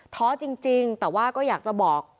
ท้อจริงแต่ว่าก็อยากจะบอก